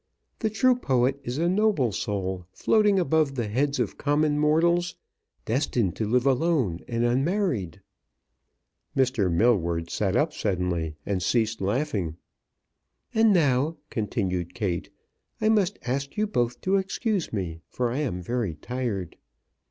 The true poet is a noble soul, floating above the heads of common mortals, destined to live alone, and unmarried " Mr. Milward sat up suddenly and ceased laughing. "And now," continued Kate, "I must ask you both to excuse me, for I am very tired."